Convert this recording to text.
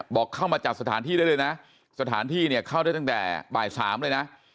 บอกเข้ามาจัดสถานที่ได้เลยนะสถานที่เนี่ยเข้าได้ตั้งแต่บ่าย๓เลยนะ